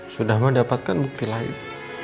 sudah mendapatkan bukti lain